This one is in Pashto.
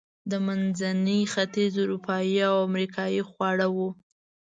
د منځني ختیځ، اروپایي او امریکایي خواړه و.